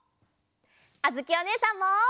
あづきおねえさんも！